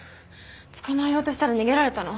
捕まえようとしたら逃げられたの。